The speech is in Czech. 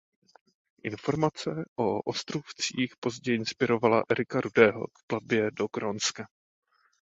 Informace o ostrůvcích později inspirovala Erika Rudého k plavbě do Grónska.